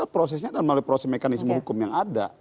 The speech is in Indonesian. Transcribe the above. prosesnya dan melalui proses mekanisme hukum yang ada